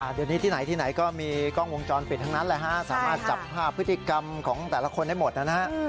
เดี๋ยวนี้ที่ไหนที่ไหนก็มีกล้องวงจรปิดทั้งนั้นแหละฮะสามารถจับภาพพฤติกรรมของแต่ละคนได้หมดนะฮะ